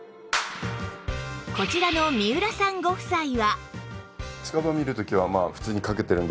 こちらの三浦さんご夫妻は